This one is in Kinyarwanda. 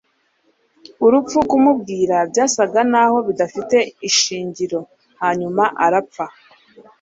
Urupfu kumubwira byasaga naho bidafite ishingiro Hanyuma arapfa